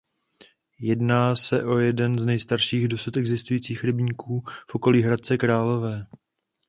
Jedná se o jeden z nejstarších dosud existujících rybníků v okolí Hradce Králové.